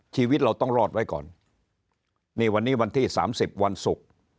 ชีวิตเราต้องรอดไว้ก่อนวันนี้วันที่๓๐วันศุกร์